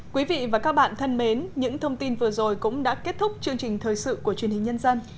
quý vị và các bạn thân mến những thông tin vừa rồi cũng đã kết thúc chương trình thời sự của truyền hình nhân dân